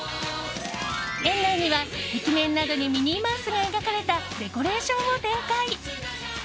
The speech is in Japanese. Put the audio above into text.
園内には壁面などにミニーマウスが描かれたデコレーションを展開。